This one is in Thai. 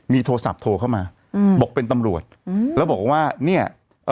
มีโทรศัพท์โทรเข้ามาอืมบอกเป็นตำรวจอืมแล้วบอกว่าเนี้ยเอ่อ